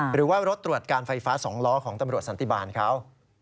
หรือว่ารถตรวจการไฟฟ้า๒ล้อของตำรวจสันติบาลเขา